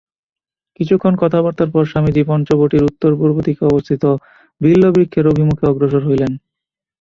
কিছুক্ষণ কথাবার্তার পর স্বামীজী পঞ্চবটীর উত্তর-পূর্ব দিকে অবস্থিত বিল্ববৃক্ষের অভিমুখে অগ্রসর হইলেন।